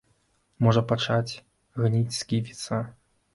Можа пачаць гніць сківіца.